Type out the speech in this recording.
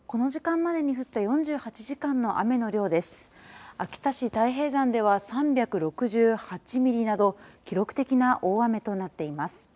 この時間までに降った秋田市太平山では３６８ミリなど記録的な大雨となっています。